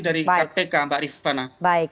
dari kpk mbak rifana